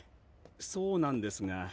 そうなんですが。